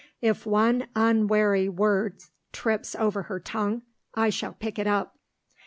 "If one unwary word trips over her tongue, I shall pick it up!"